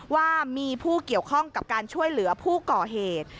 ว่ามีผู้เกี่ยวข้องกับการช่วยเหลือผู้ก่อเหตุ